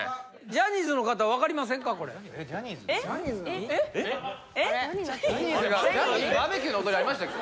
ジャニーズバーベキューの踊りありましたっけ？